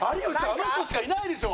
あの人しかいないでしょ！